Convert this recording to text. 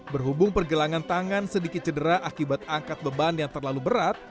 berhubung pergelangan tangan sedikit cedera akibat angkat beban yang terlalu berat